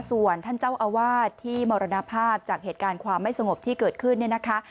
ส่วนท่านเจ้าอาวาสที่มรณภาพจากเหตุการณ์ความไม่สงบที่เกิดขึ้นเนี่ยนะคะ